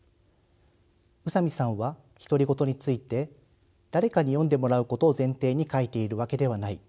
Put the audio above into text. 宇佐美さんは独り言について「誰かに読んでもらうことを前提に書いているわけではない。